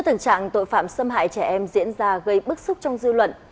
tình trạng tội phạm xâm hại trẻ em diễn ra gây bức xúc trong dư luận